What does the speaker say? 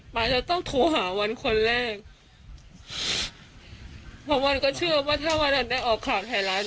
จะต้องโทรหาวันคนแรกเพราะวันก็เชื่อว่าถ้าวันนั้นได้ออกข่าวไทยรัฐ